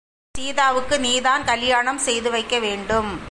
சீதாவுக்கு நீதான் கலியாணம் செய்து வைக்க வேன்டும்.